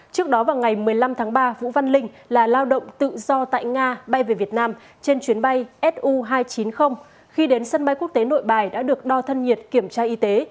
trước đó vào ngày một mươi năm tháng ba vũ văn linh là lao động tự do tại nga bay về việt nam trên chuyến bay su hai trăm chín mươi khi đến sân bay quốc tế nội bài đã được đo thân nhiệt kiểm tra y tế